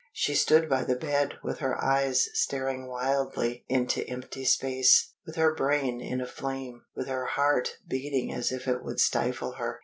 She stood by the bed with her eyes staring wildly into empty space; with her brain in a flame; with her heart beating as if it would stifle her.